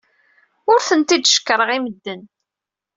Ur ten-id-cekkṛeɣ i medden.